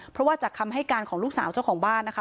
เพราะว่าจากคำให้การของลูกสาวเจ้าของบ้านนะคะ